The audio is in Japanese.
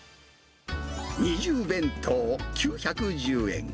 二重弁当９１０円。